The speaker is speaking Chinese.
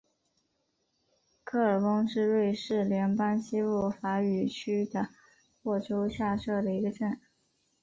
科尔翁是瑞士联邦西部法语区的沃州下设的一个镇。